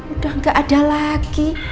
udah gak ada lagi